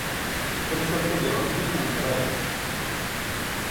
- Tamsalt-agi ɣezzif umrar-is.